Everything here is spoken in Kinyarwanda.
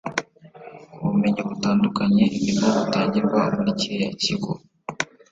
ubumenyi butandukanye nibwo butangirwa muri kiriya kigo